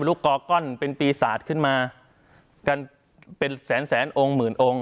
กอก้อนเป็นปีศาจขึ้นมากันเป็นแสนแสนองค์หมื่นองค์